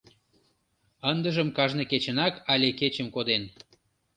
Ындыжым кажне кечынак але кечым коден.